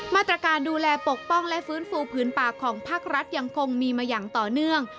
มาตรการดูแลปกป้องและฟื้นฟูพื้นปากของภาครัฐยังคงมีมาอย่างต่อเนื่อง